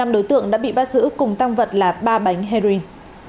năm đối tượng đã bị bắt giữ cùng tăng vật là ba bánh heroin